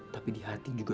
tapi di hati juga